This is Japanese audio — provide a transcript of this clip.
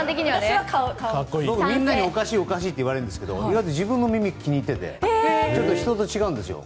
みんなにおかしいって言われるんですけど自分の耳、気に入ってて人と違うんですよ。